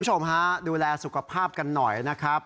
คุณผู้ชมฮะดูแลสุขภาพกันหน่อยนะครับ